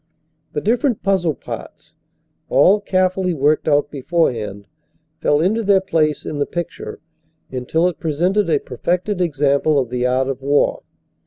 The different puzzle parts, all carefully worked out beforehand, fell into their place in the picture until it pre sented a perfected example of the art of war.